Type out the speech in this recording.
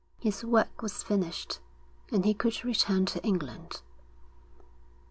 His work was finished, and he could return to England.